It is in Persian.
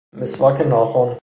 مسواک ناخن